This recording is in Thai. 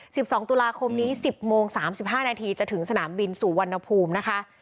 สิบสองตุลาคมนี้สิบโมงสามสิบห้านาทีจะถึงสนามบินสุวรรณภูมินะคะ